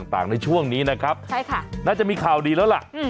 ต่างในช่วงนี้นะครับใช่ค่ะน่าจะมีข่าวดีแล้วล่ะ